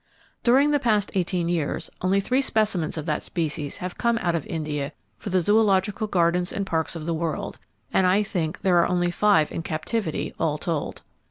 During the past eighteen years, only three specimens of that species have come out of India for the zoological gardens and parks of the world, and I think there are only five in captivity, all told.